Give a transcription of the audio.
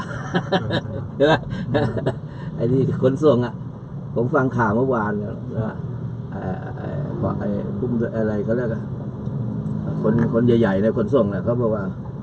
ไอ้คนทรงผมฟังข่าวเมื่อวานคนใหญ่ในคนทรงเขาบอกว่า